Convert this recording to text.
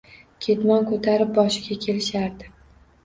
Ketmon ko‘tarib boshiga kelishardi